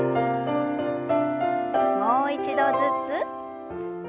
もう一度ずつ。